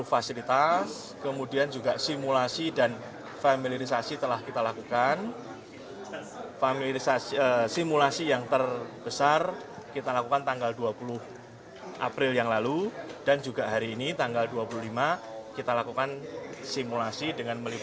hampir seribu orang